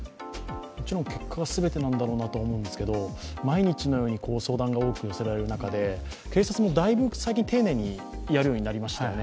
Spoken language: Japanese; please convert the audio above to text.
結果が全てなんだろうなとは思うんですが、毎日のように相談が多く寄せられる中で、警察もだいぶ最近丁寧にやるようにやりましたよね。